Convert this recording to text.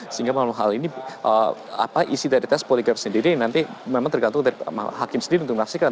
sehingga dalam hal ini isi dari tes poligraf sendiri nanti memang tergantung dari hakim sendiri untuk menyaksikan